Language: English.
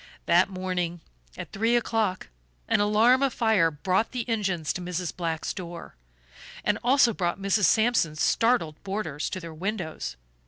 That morning at three o'clock an alarm of fire brought the engines to Mrs. Black's door, and also brought Mrs. Sampson's startled boarders to their windows.